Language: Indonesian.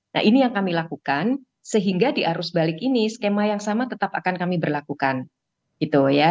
nah ini yang kami lakukan sehingga di arus balik ini skema yang sama tetap akan kami berlakukan gitu ya